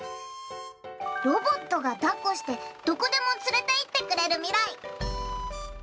ロボットがだっこしてどこでもつれていってくれるみらい。